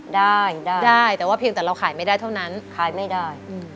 ได้ได้แต่ว่าเพียงแต่เราขายไม่ได้เท่านั้นขายไม่ได้